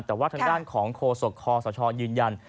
แต่ว่าทางด้านของโคศกคอสชยืนยัน